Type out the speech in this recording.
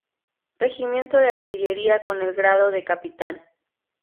Regimiento de Artillería con el grado de capitán.